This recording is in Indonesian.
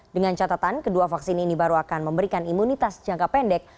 dengan catatan kedua vaksin ini baru akan memberikan imunitas jangka pendek